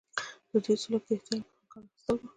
د دوی سلوک د احتیاط څخه کار اخیستل وو.